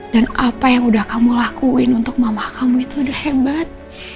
dan apa yang udah kamu lakuin untuk mama kamu itu udah hebat